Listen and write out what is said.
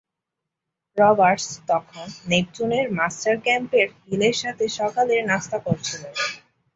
Roberts তখন নেপচুনের master captain হিলের সাথে সকালের নাস্তা করছিলেন।